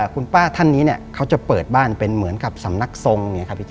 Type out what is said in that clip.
คุณป้าท่านนี้เขาจะเปิดบ้านเป็นเหมือนกับสำนักทรง